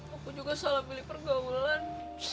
aku juga salah milih pergaulan